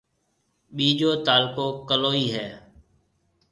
ٻيجو تعلقو ڪلوئِي ھيََََ